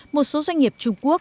một số doanh nghiệp trung quốc